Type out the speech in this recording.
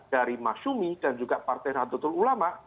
dari masyumi dan juga partai nahdlatul ulama